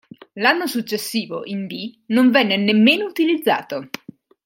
L'anno successivo in B non venne nemmeno utilizzato.